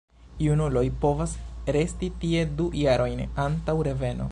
Junuloj povas resti tie du jarojn antaŭ reveno.